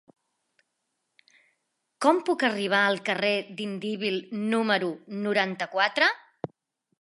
Com puc arribar al carrer d'Indíbil número noranta-quatre?